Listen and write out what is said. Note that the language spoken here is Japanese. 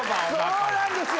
そうなんですよ。